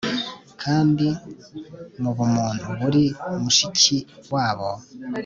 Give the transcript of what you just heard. Kandi mubumuntu buri mushikiwabo